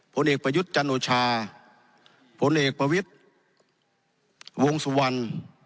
ผลเอกประยุทธ์จันโอชาผลเอกประวิทย์วงสุวรรณ